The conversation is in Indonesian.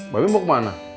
bapak mau kemana